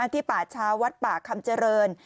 ที่ป่าช้าวัดป่าคำเจริญ